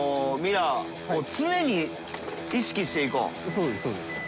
そうですそうです。